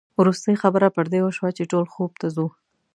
وروستۍ خبره پر دې وشوه چې ټول خوب ته ځو.